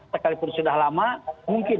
sekalipun sudah lama mungkin